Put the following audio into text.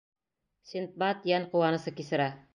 Синдбад йән ҡыуанысы кисерә.